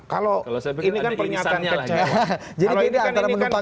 kalau ini kan pernyataan kecewa